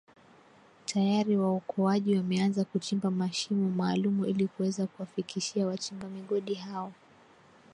tayari waokoaji wameanza kuchimba mashimo maalumu ili kuweza kuwafikishia wachimba migodi hao